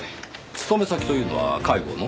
勤め先というのは介護の？